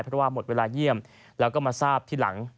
เพราะว่าหมดเวลาเยี่ยมแล้วก็มาทราบทีหลัง